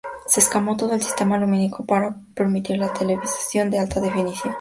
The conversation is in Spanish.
Se cambió todo el sistema lumínico, para permitir la televisación en alta definición.